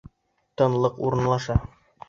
Тынлыҡ урынлаша.